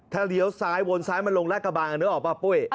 ถ้าเหลียวซ้ายวนซ้ายมันลงล่าดกระบังเหรอออกป่าวปุ้ย